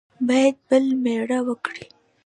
باید بل مېړه وکړي.